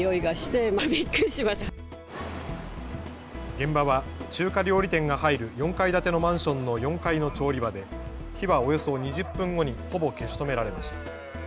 現場は中華料理店が入る４階建てのマンションの４階の調理場で火はおよそ２０分後にほぼ消し止められました。